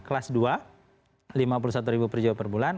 kelas dua lima puluh satu ribu per jiwa per bulan